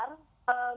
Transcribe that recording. yang cukup besar